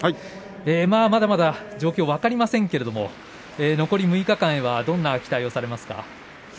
まだ状況分かりませんが残り６日間どんな期待をされますか。